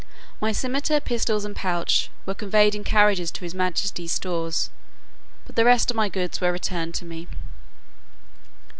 My scimitar, pistols, and pouch, were conveyed in carriages to his majesty's stores; but the rest of my goods were returned me.